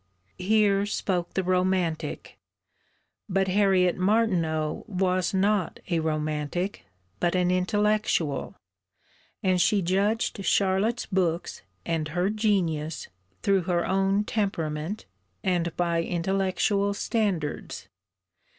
Here spoke the Romantic. But Harriet Martineau was not a Romantic but an Intellectual, and she judged Charlotte's books and her genius through her own temperament, and by intellectual standards.